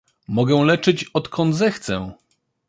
"Mogę leczyć odkąd zechcę!"